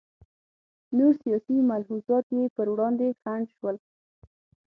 نور سیاسي ملحوظات یې پر وړاندې خنډ شول.